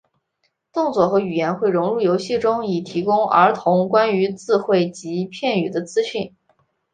动作和言语会融入游戏中以提供儿童关于字汇及片语的资讯。